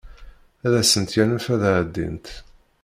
Ad asent-yanef ad ɛeddint.